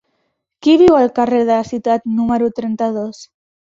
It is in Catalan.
Qui viu al carrer de la Ciutat número trenta-dos?